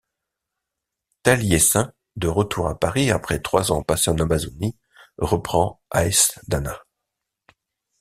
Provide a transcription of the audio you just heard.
Taliesin de retour à Paris après trois ans passés en Amazonie reprend Aes Dana.